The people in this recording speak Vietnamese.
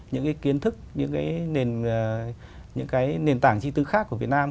những cái kiến thức những cái nền tảng chi tư khác của việt nam